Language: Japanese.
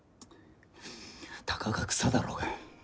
たかが草だろうが。